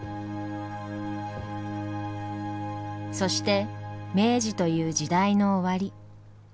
そして明治という時代の終わり。